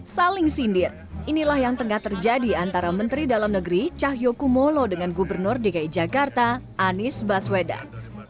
saling sindir inilah yang tengah terjadi antara menteri dalam negeri cahyokumolo dengan gubernur dki jakarta anies baswedan